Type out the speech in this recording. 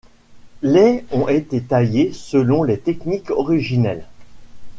Les ont été taillées selon les techniques originelles.